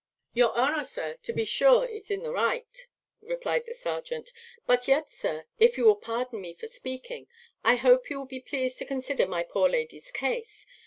"Your honour, sir, to be sure is in the right," replied the serjeant; "but yet, sir, if you will pardon me for speaking, I hope you will be pleased to consider my poor lady's case.